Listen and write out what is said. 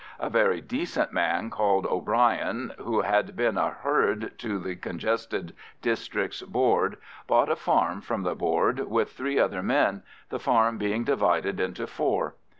A very decent man called O'Brien, who had been a herd to the Congested Districts Board, bought a farm from the Board with three other men, the farm being divided into four.